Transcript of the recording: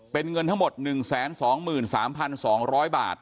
เป็นเงินทั้งหมด๑๒๓๒๐๐บาท